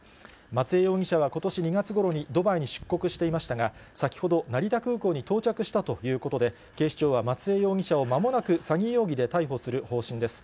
松江容疑者はことし２月ごろにドバイに出国していましたが、先ほど、成田空港に到着したということで、警視庁は松江容疑者をまもなく詐欺容疑で逮捕する方針です。